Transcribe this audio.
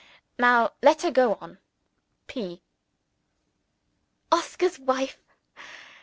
Now let her go on. P.] Oscar's wife!